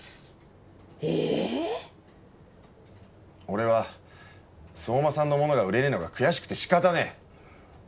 俺は相馬産のものが売れねえのが悔しくて仕方ねえ！